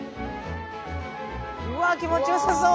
うわ気持ちよさそう。